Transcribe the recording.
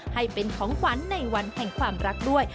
ให้เป็นของขวัญในวันแห่งความรักด้วย